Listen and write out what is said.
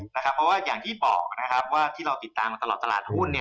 เพราะว่าอย่างที่บอกนะครับว่าที่เราติดตามมาตลอดตลาดหุ้น